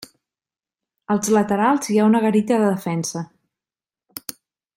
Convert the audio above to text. Als laterals hi ha una garita de defensa.